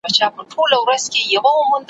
چي یوازي وه ککړي یې وهلې `